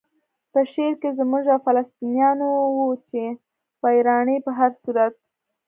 په شعر کې زموږ او د فلسطینیانو وچې ویاړنې په هر صورت.